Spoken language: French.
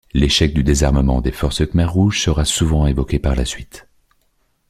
L’échec du désarmement des forces khmères rouges sera souvent évoqué par la suite.